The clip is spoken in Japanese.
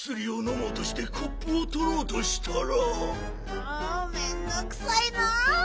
もうめんどくさいなあ！